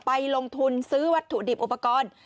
ไปลงทุนซื้อวัตถุดิบอุปกรณ์